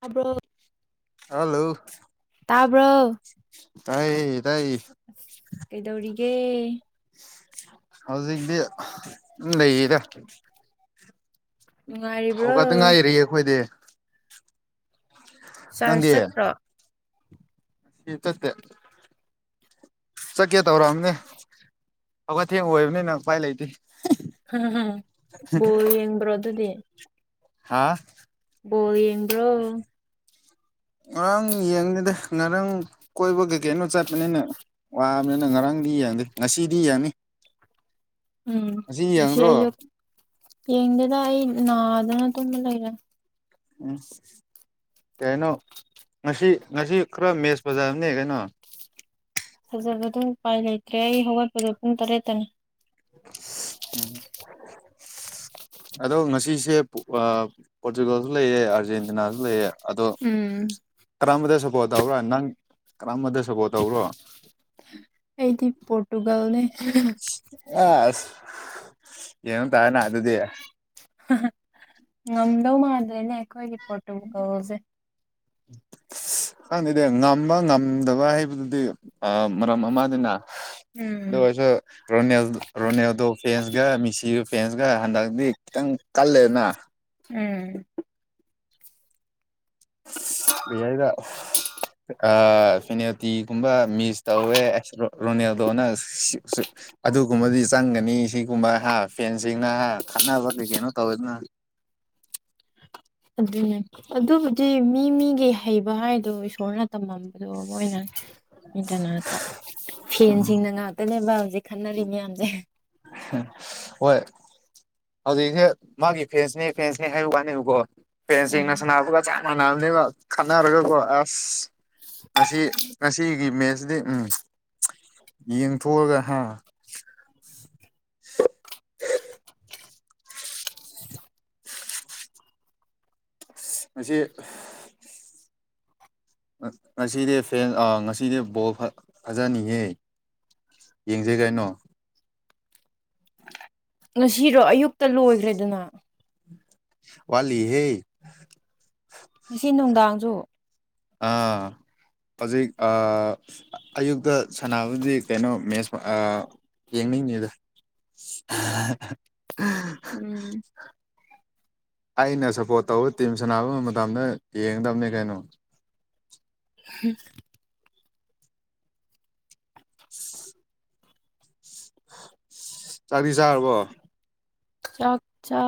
ꯇꯥꯕ꯭ꯔꯣ ꯍꯜꯂꯣ ꯇꯥꯕ꯭ꯔꯣ ꯇꯥꯏꯌꯦ ꯇꯥꯏ ꯀꯦ ꯍꯧꯖꯤꯛꯗꯤ ꯁꯨꯝ ꯂꯩꯌꯦꯗ ꯅꯨꯡꯉꯥꯏꯔꯤꯕ꯭ꯔꯣ ꯍꯧꯒꯠꯇ ꯉꯥꯏꯔꯤ ꯑꯩꯈꯣꯏꯗꯤ ꯆꯥꯔ ꯅꯪꯗꯤ ꯆꯠꯄ꯭ꯔꯣ ꯆꯠꯇꯦ ꯆꯠꯀꯦ ꯇꯧꯔꯝꯃꯅꯤ ꯍꯧꯒꯠꯊꯦꯡ ꯑꯣꯏꯕꯅꯤꯅ ꯎꯄꯥꯏ ꯂꯩꯇꯦ ꯍ ꯍ ꯕꯣꯜ ꯌꯦꯡꯕ꯭ꯔꯣ ꯑꯗꯨꯗꯤ ꯍꯥꯥ ꯕꯣꯜ ꯌꯦꯡꯕ꯭ꯔꯣ ꯉꯔꯥꯡ ꯌꯦꯡꯗꯦꯗ ꯉꯔꯥꯡ ꯀꯣꯏꯕ ꯀꯩꯀꯩꯅꯣ ꯆꯠꯄꯅꯤꯅ ꯋꯥꯕꯅꯤꯅ ꯉꯔꯥꯡꯗꯤ ꯌꯦꯡꯗꯦ ꯉꯁꯤꯗꯤ ꯌꯥꯡꯅꯤ ꯎꯝ ꯉꯁꯤ ꯑꯌꯨꯛ ꯌꯦꯡꯗꯦꯗ ꯑꯩ ꯅꯥꯗꯅ ꯇꯨꯝꯃ ꯂꯩꯔꯦ ꯑꯁ ꯀꯩꯅꯣ ꯉꯁꯤ ꯉꯁꯤ ꯈꯔ ꯃꯦꯁ ꯐꯖꯕꯅꯦ ꯀꯩꯅꯣ ꯐꯖꯕꯗꯨ ꯎꯄꯥꯏ ꯂꯩꯇ꯭ꯔꯦ ꯑꯩ ꯍꯧꯒꯠꯄꯗ ꯄꯨꯡ ꯇꯔꯦꯠꯇꯅꯤ ꯎꯝ ꯑꯗꯣ ꯉꯁꯤꯁꯦ ꯄꯣꯔꯇꯨꯒꯜꯁꯨ ꯂꯩꯑꯦ ꯑꯥꯔꯖꯦꯟꯇꯤꯅꯥꯁꯨ ꯂꯩꯌꯦ ꯑꯗꯣ ꯎꯝ ꯀꯔꯝꯕꯗ ꯁꯞꯄꯣꯔꯠ ꯇꯧꯕꯔꯣ ꯅꯪ ꯀꯔꯝꯕꯗ ꯁꯞꯄꯣꯔꯠ ꯇꯧꯕ꯭ꯔꯣ ꯑꯩꯗꯤ ꯄꯣꯔꯇꯨꯒꯜꯅꯦ ꯑꯁ ꯌꯦꯡꯉ ꯇꯥꯏꯅ ꯑꯗꯨꯗꯤ ꯉꯝꯗꯧ ꯃꯥꯥꯟꯗ꯭ꯔꯦꯅꯦ ꯑꯩꯈꯣꯏꯒꯤ ꯄꯣꯔꯇꯨꯒꯜꯁꯦ [inaudible] ꯈꯪꯗꯦꯗ ꯉꯝꯕ ꯉꯝꯗꯕ ꯍꯥꯏꯕꯗꯨꯗꯤ ꯃꯔꯝ ꯑꯃꯅꯤꯅ ꯎꯝ ꯑꯗꯨ ꯑꯣꯏꯁꯨ ꯔꯣꯅꯦꯜ ꯔꯣꯅꯦꯜꯗꯣ ꯐꯦꯟꯁꯒ ꯃꯤꯁꯤꯒ ꯐꯦꯟꯁꯀ ꯍꯟꯗꯛꯇꯤ ꯈꯤꯇꯪ ꯀꯜꯂꯦꯅ ꯐꯦꯜ ꯀꯔꯤ ꯍꯥꯏꯁꯤꯔ ꯑꯥ ꯐꯦꯅꯦꯜꯇꯤ ꯒꯨꯝꯕ ꯃꯤꯁ ꯇꯧꯋꯦ ꯑꯩꯁꯨ ꯔꯣꯅꯦꯜꯗꯣꯅ ꯁꯤ ꯁꯤ ꯑꯗꯨꯒꯨꯝꯕꯗꯤ ꯆꯪꯒꯅꯤ ꯁꯤꯒꯨꯝꯕ ꯍꯥ ꯐꯦꯟꯁꯤꯡꯅ ꯍꯥ ꯈꯠꯅꯔꯗꯒꯤ ꯀꯔꯤꯀꯩꯅꯣ ꯇꯧꯋꯦꯗꯅ ꯑꯗꯨꯅꯦ ꯑꯗꯨꯕꯨꯗꯤ ꯃꯤ ꯃꯤꯒꯤ ꯍꯩꯕ ꯍꯥꯏꯗꯣ ꯏꯁꯣꯔꯅ ꯇꯝꯃꯝꯕꯗꯣ ꯃꯣꯏꯅ ꯏꯗꯅꯀꯣ ꯐꯦꯟꯁꯤꯡꯅ ꯉꯥꯛꯇꯅꯦꯕ ꯍꯧꯖꯤꯛ ꯈꯟꯅꯔꯤ ꯃꯌꯥꯝꯁꯦ ꯍꯣꯏ ꯍꯧꯖꯤꯛꯁꯦ ꯃꯥꯒꯤ ꯐꯦꯟꯁꯅꯦ ꯐꯦꯟꯁꯅꯦ ꯍꯥꯏꯕ ꯋꯥꯅꯦꯕꯀꯣ ꯐꯦꯟꯁꯤꯡꯅ ꯎꯝ ꯁꯥꯟꯅꯕꯒ ꯆꯞ ꯃꯥꯟꯅꯕꯅꯦꯕ ꯈꯟꯅꯔꯒꯀꯣ ꯑꯁ ꯉꯁꯤ ꯉꯁꯤ ꯁꯤꯒꯤ ꯃꯦꯠꯁꯇ ꯎꯝ ꯌꯦꯡꯊꯣꯛꯑꯒ ꯍꯥ ꯉꯁꯤ ꯉꯁꯤꯗꯤ ꯐꯦꯟ ꯉꯁꯤꯗꯤ ꯕꯣꯜ ꯐꯖꯅꯤꯌꯦ ꯌꯦꯡꯖꯦ ꯀꯩꯅꯣ ꯉꯁꯤꯔꯣ ꯑꯌꯨꯛꯇ ꯂꯣꯏꯒ꯭ꯔꯦꯗꯅ ꯋꯥꯠꯂꯤ ꯍꯦ ꯉꯁꯤ ꯅꯨꯡꯗꯥꯡꯁꯨ ꯑꯥ ꯍꯧꯖꯤꯛ ꯑꯥ ꯑꯌꯨꯛ ꯇ ꯁꯥꯟꯅꯕꯗꯤ ꯀꯩꯅꯣ ꯃꯦꯠꯁ ꯑꯥ ꯌꯦꯡꯅꯤꯡꯉꯤꯗ ꯍꯥ ꯍꯥ ꯎꯝ ꯑꯩꯅ ꯁꯞꯄꯣꯔꯠ ꯇꯧꯕ ꯇꯤꯝ ꯁꯥꯟꯅꯕ ꯃꯇꯝꯗ ꯌꯦꯡꯒꯗꯕꯅꯦ ꯀꯩꯅꯣ ꯍꯨꯝ [inaudible] ꯆꯥꯛꯇꯤ ꯆꯥꯔꯕꯣ ꯆꯥꯛ ꯆꯥ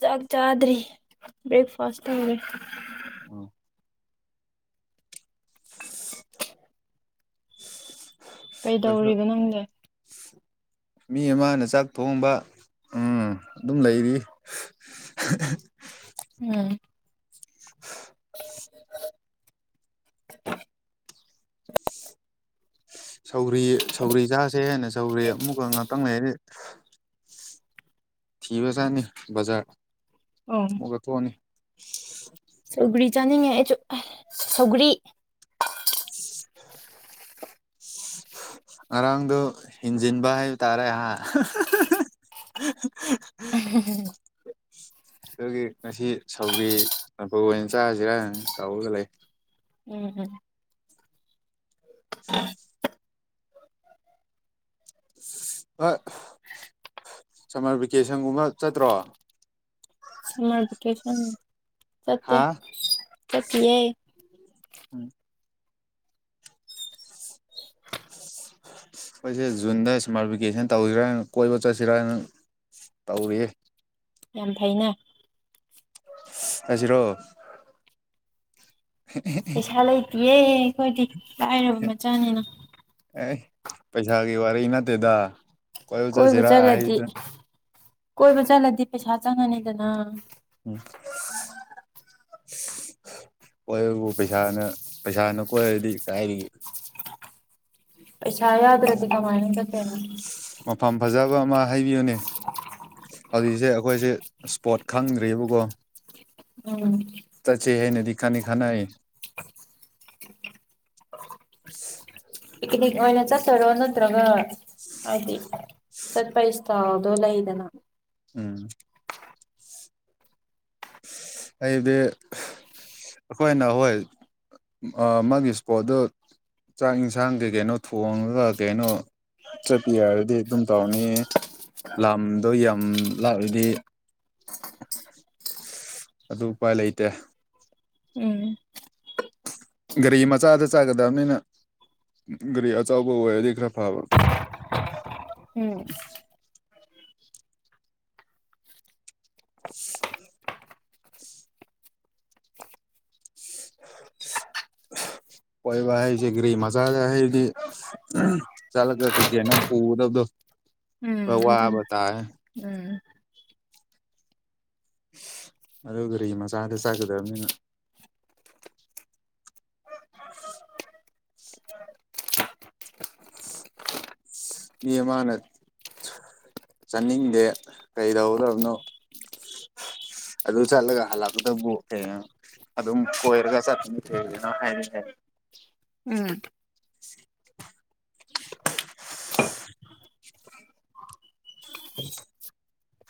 ꯆꯥꯛ ꯆꯥꯗ꯭ꯔꯤ ꯕ꯭ꯔꯦꯛꯐꯥꯁ ꯇꯧꯔꯦ ꯎꯝ ꯑꯩꯈꯣꯏꯁꯨ ꯀꯩꯗꯧꯔꯤꯕ ꯅꯪꯗꯤ ꯃꯤ ꯑꯃꯅ ꯆꯥꯛ ꯊꯣꯡꯕ ꯎꯝ ꯑꯗꯨꯝ ꯂꯩꯔꯤꯌꯦ ꯎꯝ ꯁꯧꯒꯔꯤ ꯁꯧꯒꯔꯤ ꯆꯥꯁꯦ ꯍꯦꯟꯅ ꯁꯧꯒ꯭ꯔꯤ ꯑꯃꯨꯛꯀ ꯉꯥꯛꯇꯪ ꯂꯩ ꯊꯤꯕ ꯆꯥꯠꯅꯤ ꯕꯖꯥꯔ ꯑꯣ ꯑꯃꯨꯛꯀ ꯊꯣꯛꯑꯅꯤ ꯁꯧꯒ꯭ꯔꯤ ꯆꯥꯅꯤꯡꯉꯦ ꯑꯩꯁꯨ ꯁꯧꯒꯔꯤ [inaudible] ꯉꯔꯥꯡꯗꯣ ꯍꯦꯟꯖꯤꯟꯕ ꯍꯥꯏꯕ ꯇꯥꯔꯦ ꯑꯥ [inaudible] [inaudible] [inaudible] ꯑꯗꯨꯒꯤ ꯉꯁꯤ ꯁꯧꯒꯔꯤ ꯑꯣꯏꯅ ꯆꯥꯁꯤꯔ ꯇꯧꯔꯒ ꯂꯩ ꯎꯝ ꯎꯝ ꯑ ꯁꯝꯃꯔ ꯚꯦꯀꯦꯁꯟꯒꯨꯝꯕ ꯆꯠꯇ꯭ꯔꯣ ꯁꯥꯃ꯭ꯔꯕꯦꯀꯦꯁꯟ ꯍꯥ ꯆꯠꯇꯤꯌꯦ ꯎꯝ ꯑꯩꯈꯣꯏꯁꯦ ꯖꯨꯟꯗ ꯏꯁꯃꯥꯇꯐꯤꯀꯦꯁꯟ ꯇꯧꯁꯤꯔꯥꯅ ꯀꯣꯏꯕ ꯆꯠꯁꯤꯔꯅ ꯇꯧꯔꯤ ꯌꯥꯝ ꯐꯩꯅꯦ ꯆꯠꯁꯤꯔꯣ ꯄꯩꯁꯥ ꯂꯩꯇꯤꯌꯦ ꯑꯩꯈꯣꯏꯗꯤ ꯂꯥꯏꯔꯕ ꯃꯆꯥꯅꯤꯅ ꯑꯦ ꯄꯩꯁꯥꯒꯤ ꯋꯥꯔꯤ ꯅꯠꯇꯦꯗ ꯀꯣꯏꯕ ꯆꯠꯁꯤꯔꯥ ꯆꯠꯂꯗꯤ ꯍꯥꯏꯗꯅ ꯀꯣꯏꯕ ꯆꯠꯂꯗꯤ ꯄꯩꯁꯥ ꯆꯪꯉꯅꯤꯗꯅ ꯎꯝ ꯀꯣꯏꯕꯨ ꯄꯩꯁꯥꯅ ꯄꯩꯁꯥꯅ ꯀꯣꯏꯔꯗꯤ ꯀꯥꯏꯗꯒꯤ ꯄꯩꯁꯥ ꯌꯥꯎꯗ꯭ꯔꯦꯗꯤ ꯃꯐꯝ ꯐꯖꯕ ꯑꯃ ꯍꯥꯏꯕꯤꯌꯨꯅꯦ ꯍꯧꯖꯤꯛ ꯁꯦ ꯑꯩꯈꯣꯏꯁꯦ ꯏꯁꯄꯣꯠ ꯈꯪꯗ꯭ꯦꯕꯀꯣ ꯎꯝ ꯆꯠꯁꯦ ꯍꯥꯏꯅꯗꯤ ꯀꯟꯗꯤ ꯈꯟꯅꯔꯤ ꯄꯤꯛꯅꯤꯛ ꯑꯣꯏꯅ ꯆꯠꯇꯣꯏꯔ ꯅꯠꯇ꯭ꯔꯒ ꯍꯥꯏꯗꯤ ꯁꯠꯄꯁ ꯂꯩꯗꯅ ꯎꯝ ꯑꯩꯗꯤ ꯑꯩꯈꯣꯏꯅ ꯍꯣꯏ ꯃꯥꯒꯤ ꯏꯁꯄꯣꯠꯇꯣ ꯆꯥꯛ ꯌꯦꯟꯁꯥꯡ ꯀꯩ ꯀꯩꯅꯣ ꯊꯣꯡꯉꯒ ꯀꯩꯅꯣ ꯆꯠꯄꯤ ꯍꯥꯏꯔꯗꯤ ꯑꯗꯨꯝ ꯇꯧꯔꯅꯤ ꯂꯝꯗꯣ ꯌꯥꯝ ꯂꯥꯛꯑꯗꯤ ꯑꯗꯨ ꯎꯄꯥꯏ ꯂꯩꯇꯦ ꯎꯝ ꯒꯥꯔꯤ ꯃꯆꯥꯗ ꯆꯥꯒꯗꯕꯅꯤꯅ ꯒꯥꯌꯤ ꯑꯆꯧꯕ ꯑꯣꯏꯗꯤ ꯈꯔ ꯐꯥꯕ ꯎꯝ [inaudible] ꯀꯣꯏꯕ ꯍꯥꯏꯁꯦ ꯒꯔꯤ ꯃꯆꯥꯗ ꯍꯥꯏꯕꯗꯤ ꯆꯠꯂꯒ ꯀꯩꯀꯩꯅꯣ ꯄꯨꯒꯗꯕꯗꯣ ꯎꯝ ꯑꯗꯨꯅ ꯋꯥꯕ ꯇꯔꯦ ꯑꯗꯨ ꯀꯔꯤ ꯃꯆꯥꯗ ꯆꯥꯛꯀꯗꯕꯅꯤꯅ [inaudible] ꯃꯤ ꯑꯃꯅ ꯆꯠꯅꯤꯡꯗꯦ ꯀꯩ ꯇꯧꯒꯗ꯭ꯔꯕꯅꯣ ꯑꯗꯨ ꯆꯠꯂꯒ ꯍꯥꯂꯛꯄꯗꯕꯨ ꯑꯦ ꯑꯗꯨꯝ ꯀꯣꯏꯔꯒ ꯆꯄꯅ ꯍꯥꯏꯅꯤ ꯍꯥꯏ [unintelligible] ꯎꯝ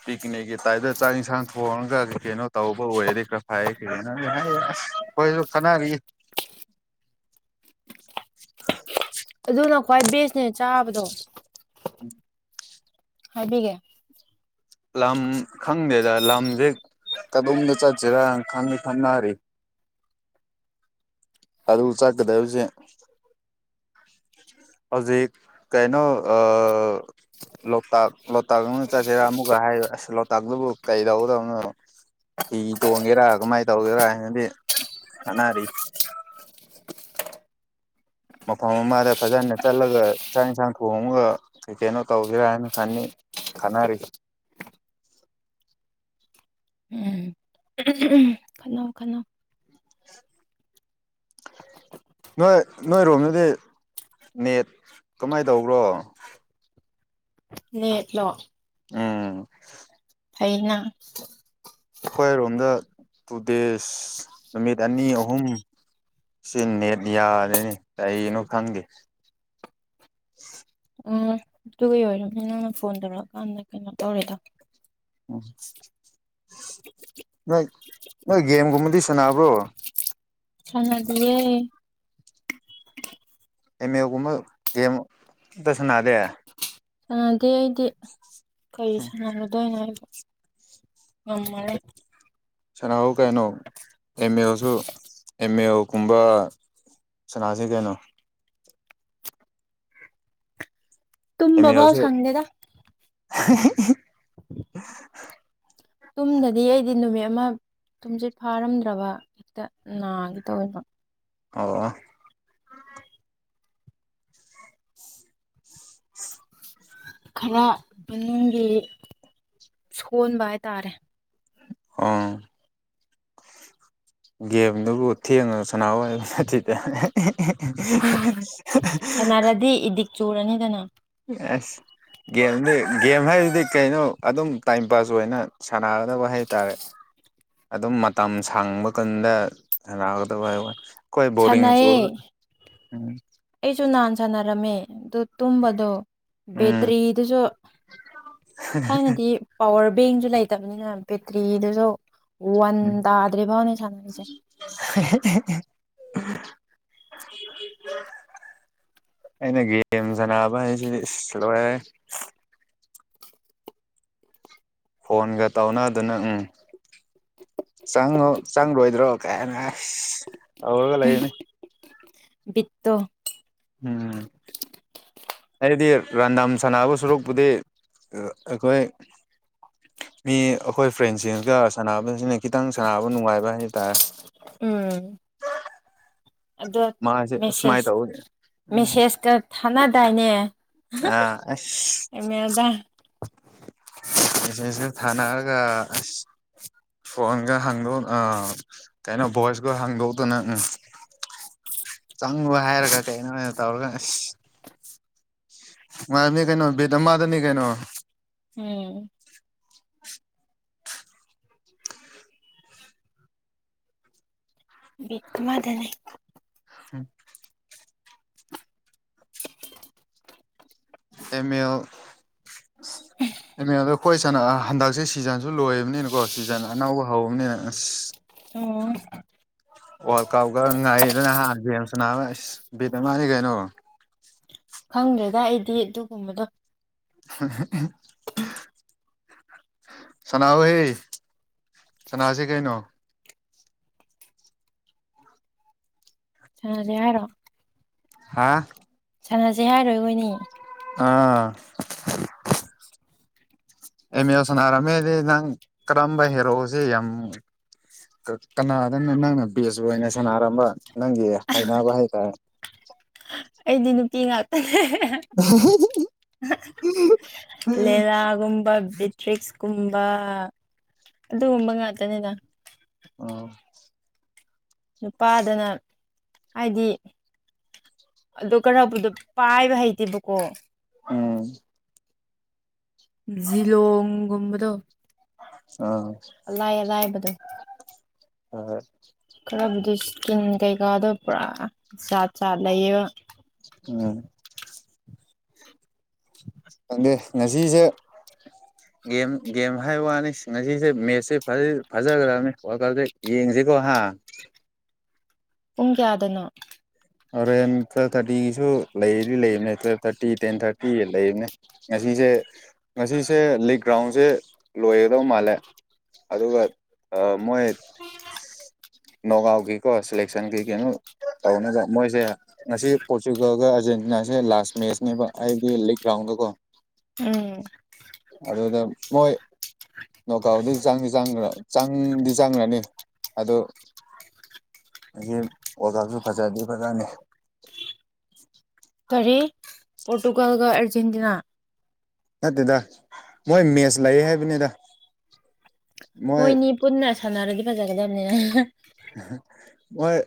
ꯄꯤꯛꯅꯤꯛꯀꯤ ꯇꯥꯏꯞꯇ ꯆꯥꯛ ꯌꯦꯟꯁꯥꯡ ꯊꯣꯡꯉꯒ ꯀꯩꯅꯣ ꯇꯧꯕ ꯑꯣꯏꯔꯗꯤ ꯐꯩ ꯑꯩꯈꯣꯁꯨ ꯈꯟꯅꯥꯔꯤ ꯑꯗꯨꯅ ꯈ꯭ꯋꯥꯏ ꯕꯦꯁꯅꯦ ꯆꯥꯕꯗꯣ ꯎꯝ ꯍꯥꯏꯕꯤꯒꯦ ꯂꯝ ꯈꯪꯗꯦꯗ ꯂꯝꯁꯦ ꯀꯗꯣꯝꯗ ꯆꯠꯁꯤꯔ ꯈꯥꯟꯗꯤ ꯈꯟꯅꯔꯤ ꯑꯗꯨ ꯆꯠꯀꯗꯕꯁꯦ ꯍꯧꯖꯤꯛ ꯀꯩꯅꯣ ꯑ ꯂꯣꯛꯇꯥꯛ ꯂꯣꯛꯇꯥꯛꯅ ꯆꯥꯠꯁꯤꯔꯥ ꯑꯃꯨꯛꯀ ꯍꯥꯏ ꯑꯁ ꯂꯣꯛꯇꯥꯛꯇꯕꯨ ꯀꯩꯗꯧꯗꯧꯅꯣ ꯐꯤ ꯇꯣꯡꯒꯦꯔꯥ ꯀꯃꯥꯏꯅ ꯇꯧꯒꯦꯔꯥ ꯍꯥꯏꯅꯗꯤ ꯁꯥꯟꯅꯔꯤ ꯃꯐꯝ ꯑꯃꯗ ꯐꯖꯅ ꯆꯠꯂꯒ ꯆꯥꯛ ꯌꯦꯟꯁꯥꯡ ꯊꯣꯡꯉꯒ ꯀꯩ ꯀꯩꯅꯣ ꯇꯧꯒꯦꯔꯥ ꯍꯥꯏꯅ ꯈꯟꯅꯤ ꯈꯟꯅꯔꯤ ꯎꯝ ꯈꯟꯅꯧ ꯈꯟꯅꯧ [inaudible] ꯅꯣꯏ ꯅꯣꯏꯔꯣꯝꯗꯗꯤ ꯅꯦꯠ ꯀꯃꯥꯏꯅ ꯇꯧꯕ꯭ꯔꯣ ꯅꯦꯠꯂꯣ ꯎꯝ ꯑꯩꯅ ꯑꯩꯈꯣꯏꯔꯣꯝꯗ ꯇꯨ ꯗꯦꯖ ꯅꯨꯃꯤꯠ ꯑꯅꯤ ꯑꯍꯨꯝ ꯁꯤ ꯅꯦꯠ ꯌꯥꯔꯔꯦ ꯀꯩꯅꯣ ꯈꯪꯗꯦ ꯎꯝ ꯑꯗꯨꯒꯤ ꯑꯣꯏꯔꯃꯤ ꯅꯪꯅ ꯐꯣꯟ ꯇꯧꯔꯛꯑꯀꯥꯟꯗ ꯀꯩꯅꯣ ꯇꯧꯔꯤꯗꯣ [inaudible] ꯅꯣꯏ ꯅꯣꯏ ꯒꯦꯝꯒꯨꯝꯕꯗꯤ ꯁꯥꯟꯅꯕ꯭ꯔꯣ ꯁꯥꯟꯅ ꯗꯤꯌꯦ ꯑꯦꯝ ꯂꯦꯜ ꯒꯨꯝꯕ ꯒꯦꯝ ꯑꯝꯇ ꯁꯥꯟꯅꯗꯦ ꯁꯥꯟꯅꯗꯦ ꯑꯩꯗꯤ ꯀꯔꯤ ꯁꯥꯟꯅꯔꯨꯗꯣꯏꯅꯣ ꯑꯩ [inaudible] ꯁꯥꯟꯅꯍꯧ ꯀꯩꯅꯣ ꯑꯦꯝ ꯑꯦꯜ ꯑꯣꯏꯁꯨ ꯑꯦꯝ ꯑꯦꯜ ꯒꯨꯝꯕ ꯁꯅꯥꯁꯤ ꯀꯩꯅꯣ ꯇꯨꯝ ꯑꯦꯝ ꯕꯥꯕꯣꯛ ꯑꯦꯜꯁꯨ ꯁꯪꯗꯦꯗ [inaudible] ꯇꯨꯝꯗꯗꯤ ꯑꯩꯗꯤ ꯅꯨꯃꯤꯠ ꯑꯃ ꯇꯨꯝꯁꯤꯠ ꯐꯥꯔꯝꯗ꯭ꯔꯕ ꯍꯦꯛꯇ ꯅꯥꯒꯦ ꯇꯧꯏꯕ [inaudible] ꯈꯔ ꯏꯃꯨꯡꯒꯤ ꯁꯣꯟꯕ ꯍꯥꯏꯇꯥꯔꯦ ꯑꯪ ꯒꯦꯝꯗꯨꯕꯨ ꯊꯦꯡꯉꯒ ꯁꯅꯥꯕ ꯅꯠꯇꯗ [unintelligible] ꯆꯣꯔ ꯅꯤꯗꯅ ꯑꯁ ꯒꯦꯝꯗꯤ ꯒꯦꯝ ꯍꯥꯏꯁꯤꯗꯤ ꯀꯩꯅꯣ ꯑꯗꯨꯝ ꯇꯥꯏꯝ ꯄꯥꯁ ꯑꯣꯏꯅ ꯁꯥꯟꯅꯒꯗꯕ ꯍꯥꯏ ꯇꯔꯦ ꯑꯗꯨꯝ ꯃꯇꯝ ꯁꯪꯕ ꯀꯟꯗ ꯁꯟꯅꯒꯗꯕ ꯍꯥꯏꯕ ꯈꯣꯏ ꯕꯣꯔꯤꯡ ꯆꯨ ꯁꯥꯟꯅꯩꯌꯦ ꯎꯝ ꯑꯩꯁꯨ ꯅꯍꯥꯟ ꯁꯥꯟꯅꯔꯝꯃꯦ ꯑꯗꯨ ꯇꯨꯝꯕꯗꯣ ꯎꯝ ꯕꯦꯇ꯭ꯔꯤꯗꯨꯁꯨ ꯊꯥꯏꯅꯗꯤ ꯄꯋꯥꯔ ꯕꯦꯡꯁꯨ ꯂꯩꯇꯕꯅꯤꯅ ꯕꯦꯇ꯭ꯔꯤꯗꯨꯁꯨ ꯋꯥꯟ ꯇꯥꯗ꯭ꯔꯔꯤ ꯐꯥꯎꯅꯦ ꯁꯥꯟꯅꯁꯦ [inaudible] ꯑꯩꯅ ꯒꯦꯝ ꯁꯥꯟꯅꯕ ꯍꯥꯏꯁꯤꯗꯤ ꯂꯣꯏꯔꯦ ꯐꯣꯟꯒ ꯇꯧꯅꯗꯅ ꯎꯝ ꯆꯪꯉꯣ ꯆꯪꯔꯣꯏꯗ꯭ꯔꯣ ꯀꯥꯏꯅ ꯇꯧꯔꯒ ꯂꯩꯅꯤ ꯕꯤꯠꯇꯣ ꯎꯝ ꯑꯩꯗꯤ ꯔꯥꯟꯗꯥꯝ ꯁꯅꯕ ꯁꯨꯔꯛꯄꯨꯗꯤ ꯑꯩꯈꯣꯏ ꯃꯤ ꯑꯩꯈꯣꯏ ꯐ꯭ꯔꯦꯟꯁꯤꯡꯒ ꯁꯥꯟꯅꯕꯁꯤꯅ ꯈꯤꯇꯪ ꯁꯥꯟꯅꯕ ꯅꯨꯡꯉꯥꯏꯕ ꯍꯥꯏ ꯇꯥꯔꯦ ꯎꯝ ꯑꯗꯣ ꯃꯥꯁꯦ ꯁꯨꯃꯥꯏꯅ ꯃꯦꯁꯦꯖ ꯇꯧꯋꯤ ꯎꯝ ꯃꯦꯁꯦꯖꯀ ꯊꯥꯅꯗꯥꯏꯅꯦ ꯑꯥ ꯑꯁ ꯑꯦꯝ ꯑꯦꯜꯗ ꯃꯦꯁꯦꯁ ꯊꯅꯒ ꯐꯣꯟꯒ ꯍꯥꯡꯗꯧ ꯑ ꯀꯩꯅꯩꯅꯣ ꯚꯣꯏꯁꯒ ꯍꯥꯡꯗꯣꯛꯗꯅ ꯎꯝ ꯆꯪꯉꯨ ꯍꯥꯏꯔꯒ ꯀꯩꯅꯣ ꯑꯣꯏꯅ ꯇꯧꯔꯒ ꯃꯥꯅꯤ ꯀꯩꯅꯣ ꯕꯗꯃꯗꯅꯤ ꯀꯩꯅꯣ ꯎꯝ ꯕꯤꯠ ꯑꯃꯗꯅꯦ ꯑꯦꯝ ꯑꯦꯜ ꯑꯦꯝ ꯑꯦꯜꯗ ꯑꯩꯈꯣꯏ ꯁꯅ ꯍꯟꯗꯛꯁꯦ ꯁꯤꯖꯟꯁ ꯁꯨ ꯂꯣꯏꯕꯅꯤꯅꯀꯣ ꯁꯤꯖꯟ ꯑꯅꯧꯕ ꯍꯧꯕꯅꯤꯅ ꯑꯁ ꯑꯣ ꯋꯥꯔꯜ ꯀꯞꯀ ꯉꯥꯏꯗꯅ ꯅꯍꯥꯟ ꯒꯦꯝ ꯁꯥꯟꯅꯕ ꯕꯤꯠ ꯕꯤꯠ ꯃꯥꯅꯤ ꯀꯩꯅꯣ ꯈꯪꯗ꯭ꯔꯦꯗ ꯑꯩꯗꯤ ꯑꯗꯨꯒꯨꯝꯕꯗꯣ [inaudible] ꯁꯅꯥꯎꯍꯦ ꯁꯅꯥꯁꯦ ꯀꯩꯅꯣ ꯌꯥꯔꯦ ꯍꯥꯏꯔꯣ ꯍꯥ ꯁꯥꯟꯅꯁꯦ ꯍꯥꯏꯔꯣꯏꯈꯣꯏꯅꯤ ꯑꯥ ꯑꯦꯝ ꯑꯦꯜ ꯁꯥꯟꯅꯔꯗꯤ ꯅꯪ ꯀꯔꯝꯕ ꯍꯦꯔꯣꯁꯦ ꯌꯥꯝ ꯀꯅꯥꯗꯅ ꯅꯪꯅ ꯕꯦꯖꯑꯣꯏꯅ ꯁꯅꯔꯝꯕ ꯅꯪꯒꯤ ꯍꯩꯅꯥꯕ ꯍꯥꯏꯇꯥ ꯑꯩꯗꯤ ꯅꯨꯄꯤ ꯉꯥꯛꯇꯅꯦ ꯂꯦꯂꯥꯒꯨꯝꯕ ꯕꯤꯇ꯭ꯔꯤꯛꯁ ꯨꯒꯨꯝꯕ ꯑꯗꯨꯒꯨꯝꯕ ꯉꯥꯛꯇꯅꯤꯅ ꯑꯣ ꯅꯨꯄꯥꯗꯅ ꯍꯥꯏꯗꯤ ꯑ ꯈꯔꯕꯨꯗꯣ ꯄꯥꯏꯕ ꯍꯩꯇꯦꯕꯀꯣ ꯎꯝ ꯖꯤꯂꯣꯡꯒꯨꯝꯕꯗꯣ ꯑꯥ ꯑꯔꯥꯏ ꯑꯔꯥꯏꯕꯗꯣ [inaudible] ꯈꯔꯕꯨꯗꯤ ꯁꯀꯤꯝ ꯀꯩꯀꯥꯗꯣ ꯄꯨꯔꯥ ꯆꯥꯠꯂꯩꯌꯦꯕ ꯎꯝ ꯈꯪꯗꯦ ꯉꯥꯁꯤꯁꯦ ꯒꯦꯝ ꯒꯦꯝ ꯍꯥꯏꯕ ꯋꯥꯅꯤ ꯉꯁꯤꯁꯦ ꯃꯦꯠꯁꯁꯦ ꯐꯖꯈ꯭ꯔꯕꯅꯤ ꯋꯥꯜ ꯀꯞ ꯌꯦꯡꯁꯤ ꯁꯤꯗꯤꯀꯣ ꯍ ꯄꯨꯡ ꯀꯥꯌꯗꯅꯣ ꯍꯣꯔꯦꯟ ꯇꯨꯋꯦꯜꯞ ꯊꯥꯔꯇꯤꯒꯤꯁꯨ ꯂꯩꯗꯤ ꯂꯩꯕꯅꯦ ꯇꯨꯋꯦꯜꯞ ꯊꯥꯔꯇꯤ ꯇꯦꯟ ꯊꯥꯔꯇꯤ ꯂꯩꯕꯅꯦ ꯉꯁꯤ ꯑꯩꯁꯦ ꯉꯁꯤꯁꯦ ꯂꯤꯛ ꯒ꯭ꯔꯥꯎꯟꯁꯦ ꯂꯣꯏꯒꯗꯧ ꯃꯥꯜꯂꯦ ꯑꯗꯨꯒ ꯃꯣꯍꯤꯠ ꯅꯣꯕꯥꯞꯀꯤꯀꯣ ꯁꯂꯦꯛꯁꯟ ꯒꯤ ꯀꯩꯇꯧꯅ ꯃꯣꯏꯁꯦ ꯉꯁꯤ ꯄꯣꯔꯆꯨꯒꯜꯒ ꯑꯥꯔꯖꯦꯟꯇꯤꯅꯥꯁꯦ ꯂꯥꯁ ꯃꯦꯠꯁꯅꯦꯕ ꯑꯩꯗꯤ ꯂꯤꯛ ꯔꯒ꯭ꯔꯥꯎꯟꯗꯀꯣ ꯎꯝ ꯑꯗꯨꯗ ꯃꯣꯏ ꯅꯣꯒꯥꯎꯗꯤ ꯆꯪꯗꯤ ꯆꯪꯈ꯭ꯔ ꯆꯥꯡꯗꯤ ꯆꯪꯈ꯭ꯔꯅꯤ ꯑꯗꯨ ꯑꯁꯦ ꯑꯣꯖꯥꯁꯨ ꯐꯖꯗꯤ ꯐꯖꯅꯤ ꯀꯔꯤ ꯄꯣꯔꯇꯨꯒꯥꯜꯒ ꯑꯥꯔꯖꯦꯟꯇꯤꯅꯥ ꯅꯠꯇꯦꯗ ꯃꯣꯏ ꯃꯦꯠꯁ ꯂꯩꯌꯦ ꯍꯥꯏꯕꯅꯤꯗ ꯃꯣꯏ ꯃꯣꯏꯅꯤ ꯄꯨꯟꯅ ꯁꯥꯟꯅꯔꯗꯤ ꯐꯖꯒꯗꯝꯅꯦꯅ ꯃꯣꯏ